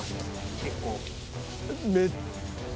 結構。